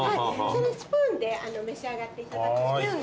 スプーンで召し上がっていただく。